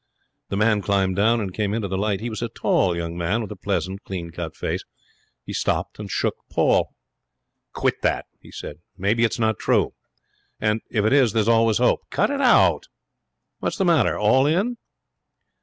The man climbed down and came into the light. He was a tall young man with a pleasant, clean cut face. He stopped and shook Paul. 'Quit that,' he said. 'Maybe it's not true. And if it is, there's always hope. Cut it out. What's the matter? All in?'